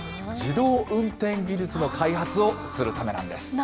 自動運転技術の開発をするためなんです。